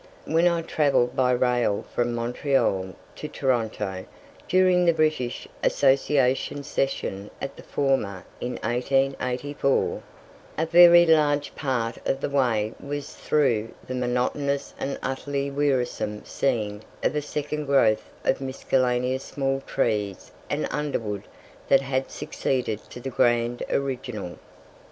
When I travelled by rail from Montreal to Toronto, during the British Association's Session at the former in 1884, a very large part of the way was through the monotonous and utterly wearisome scene of a second growth of miscellaneous small trees and underwood that had succeeded to the grand original.